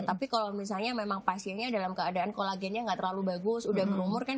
tapi kalau misalnya memang pasiennya dalam keadaan kolagennya nggak terlalu bagus udah berumur kan